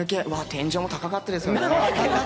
天井も高かったですね。